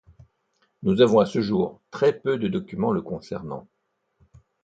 Nous avons à ce jour très peu de documents le concernant.